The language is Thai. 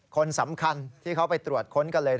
คนสำคัญที่เขาไปตรวจค้นกันเลย